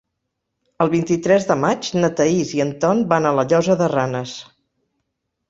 El vint-i-tres de maig na Thaís i en Ton van a la Llosa de Ranes.